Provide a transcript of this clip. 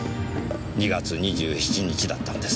２月２７日だったんです。